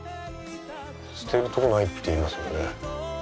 捨てるとこないって言いますもんね。